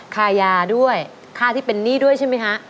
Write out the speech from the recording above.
ค่ายาด้วยค่าที่เป็นหนี้ด้วยใช่ไหมฮะ